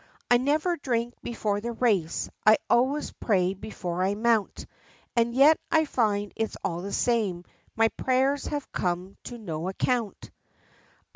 I never drink before the race. I always pray before I mount: And yet I find it's all the same; my prayers have come to no account!"